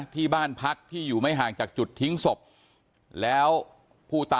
ที่บ้านพักที่อยู่ให้ไม่ห่างจากจุดทิ้งศพ